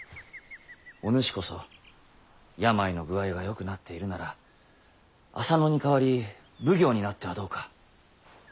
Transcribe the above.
お主こそ病の具合がよくなっているなら浅野に代わり奉行になってはどうか？